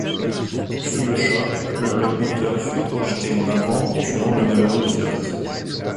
Sous le choc, le bloc moteur fut projeté en avant, tuant le malheureux pilote.